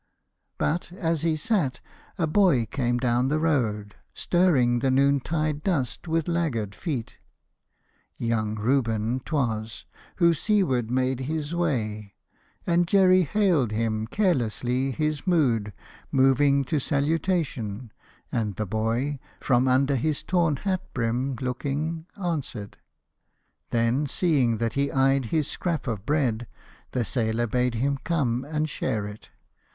But, as he sat, a boy came down the road, Stirring the noontide dust with laggard feet. Young Reuben 't was, who seaward made his way. And Jerry hailed him, carelessly, his mood Moving to salutation, and the boy, From under his torn hat brim looking, answered. Then, seeing that he eyed his scrap of bread, The sailor bade him come and share it.